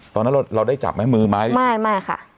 ตอนนั้นเราได้จับมั้ยมือมั้ยไม่ค่ะ